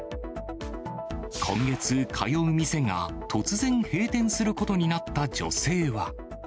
今月、通う店が突然閉店することになった女性は。